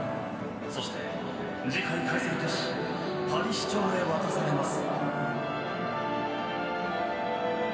そして次回開催都市パリ市長へ渡されます。